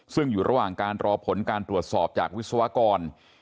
ซึ่งอยู่ระหว่างการรอผลการตรวจสอบจากวิศวกร